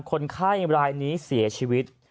คนไข้รายนี้เสียชีวิต